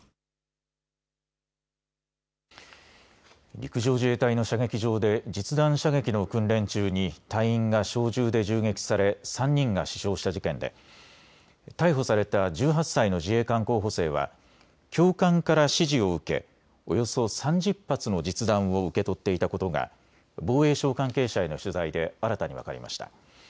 陸上自衛隊の射撃場で実弾射撃の訓練中に隊員が小銃で銃撃され３人が死傷した事件で逮捕された１８歳の自衛官候補生は教官から指示を受けおよそ３０発の実弾を受け取っていたことが防衛省関係者への取材で新たに分かりました。